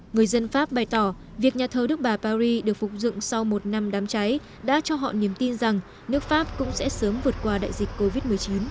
người dân pháp bày tỏ việc nhà thờ đức bà paris được phục dựng sau một năm đám cháy đã cho họ niềm tin rằng nước pháp cũng sẽ sớm vượt qua đại dịch covid một mươi chín